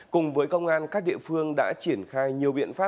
cùng với công an các địa phương đã triển khai nhiều biện pháp